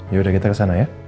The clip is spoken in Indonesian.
yaudah kita ke sana ya